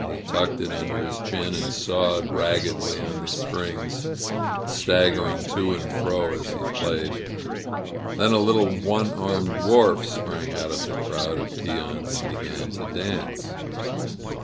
He tucked it under his chin and sawed raggedly on the strings, stag gering to and fro as he played. Then a little one armed dwarf sprang out of the crowd of peons and be gan to dance.